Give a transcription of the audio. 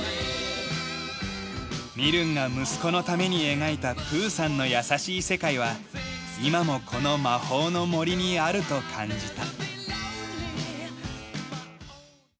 ミルンが息子のために描いたプーさんの優しい世界は今もこの魔法の森にあると感じた。